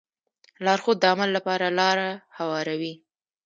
لارښود د عمل لپاره لاره هواروي.